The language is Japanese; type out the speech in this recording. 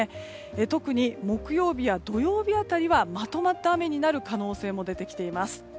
特に木曜日や土曜日辺りはまとまった雨になる可能性も出てきています。